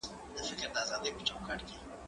دا بازار له هغه ښه دی؟